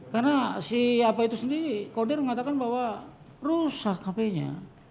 karena si apa itu sendiri kodir mengatakan bahwa rusak hp nya